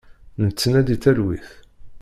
Nettnadi talwit.